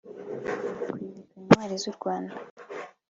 kwibuka intwari z'u rwanda